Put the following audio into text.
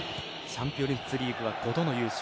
チャンピオンズリーグは５度の優勝。